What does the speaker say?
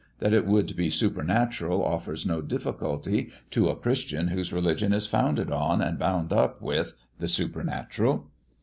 That it would be supernatural offers no difficulty to a Christian whose religion is founded on, and bound up with, the supernatural."